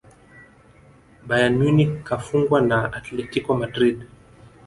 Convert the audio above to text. bayern munich kafungwa na atletico madrid